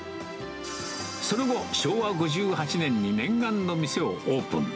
その後、昭和５８年に念願の店をオープン。